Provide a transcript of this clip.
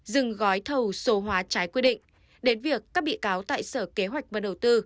dừng gói thầu số hóa trái quy định đến việc các bị cáo tại sở kế hoạch và đầu tư